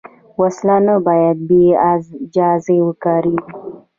وسله نه باید بېاجازه وکارېږي